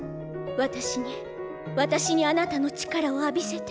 私に私にあなたの力を浴びせて。